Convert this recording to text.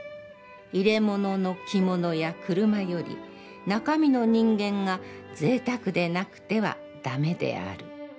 容れものの着物や車より、中身の人間が贅沢でなくては駄目である」。